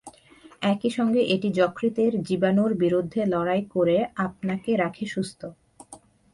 একই সঙ্গে এটি যকৃতের জীবাণুর বিরুদ্ধে লড়াই করে আপনাকে রাখে সুস্থ।